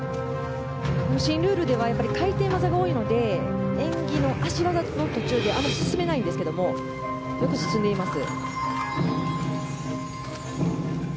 新ルールでは回転技が多いので演技の脚技の途中であまり進めないんですがよく進んでいます。